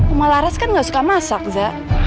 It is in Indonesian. omah laras kan gak suka masak zak